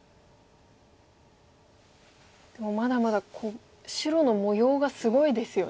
でもまだまだ白の模様がすごいですよね。